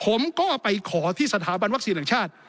ผมก็ไปขอที่สถาบันวัคซีนแห่งชาติ